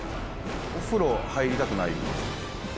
お風呂入りたくない。